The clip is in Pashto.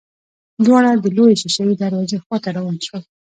دواړه د لويې ښېښه يي دروازې خواته روان شول.